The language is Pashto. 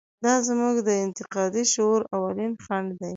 دا زموږ د انتقادي شعور اولین خنډ دی.